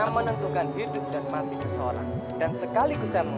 makanya lain kali percaya deh